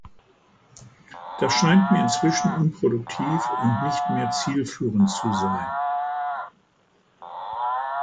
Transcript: Das scheint mir inzwischen unproduktiv und nicht mehr zielführend zu sein.